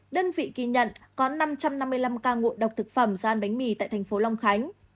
đơn vị ghi nhận có năm trăm năm mươi năm ca ngụy độc thực phẩm do ăn bánh mì tại thành phố long khánh